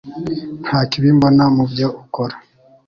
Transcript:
Nta kibi mbona mubyo ukora